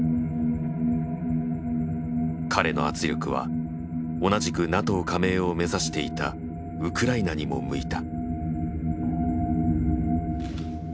彼の圧力は同じくＮＡＴＯ加盟を目指していたウクライナにも向いた。